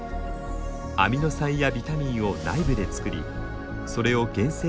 アミノ酸やビタミンを内部で作りそれを原生